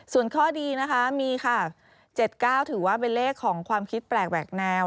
ส่วนข้อดีนะคะมีค่ะ๗๙ถือว่าเป็นเลขของความคิดแปลกแหวกแนว